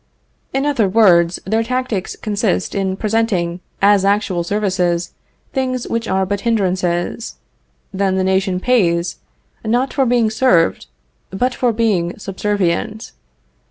In other words, their tactics consist in presenting as actual services things which are but hindrances; then the nation pays, not for being served, but for being subservient.